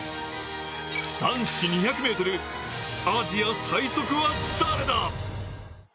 男子２００ｍ、アジア最速は誰だ？